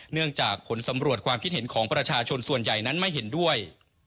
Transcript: เนื่องจากผลสำรวจความคิดเห็นของประชาชนส่วนใหญ่นั้นไม่เห็นด้วย